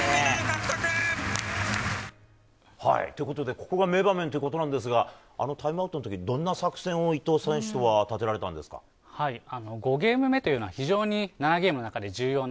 ここが名場面ということですがタイムアウトの時どんな作戦を伊藤選手とは５ゲーム目というのは非常に７ゲームの中で重要な